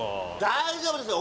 大丈夫ですよ